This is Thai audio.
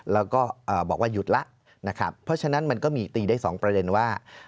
แล้วก็บอกว่าหยุดแล้วนะครับเพราะฉะนั้นมันก็มีตีได้๒ประเด็นว่า